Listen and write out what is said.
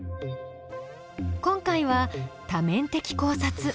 今回は「多面的考察」。